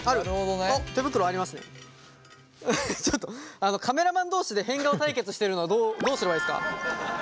フフッちょっとカメラマン同士で変顔対決してるのどうすればいいですか？